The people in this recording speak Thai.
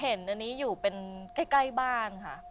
เห็นอันนี้อยู่เป็นใกล้บ้านค่ะ